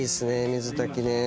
水炊きね。